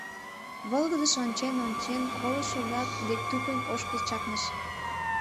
Волгыдыш ончен-ончен, колышо-влак дек тупынь ошкыл чакныш.